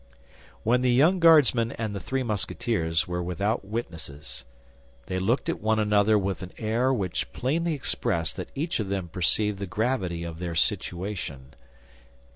When the young Guardsman and the three Musketeers were without witnesses, they looked at one another with an air which plainly expressed that each of them perceived the gravity of their situation.